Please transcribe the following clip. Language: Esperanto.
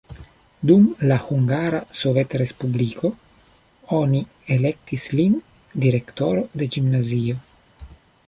Dum la Hungara Sovetrespubliko oni elektis lin direktoro de gimnazio.